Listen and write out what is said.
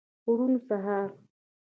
روڼ سهار